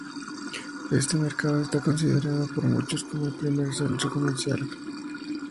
Este mercado está considerado por muchos como el primer centro comercial cubierto del mundo.